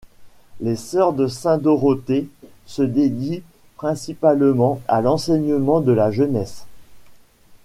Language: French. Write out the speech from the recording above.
Les sœurs de Sainte Dorothée se dédient principalement à l'enseignement de la jeunesse.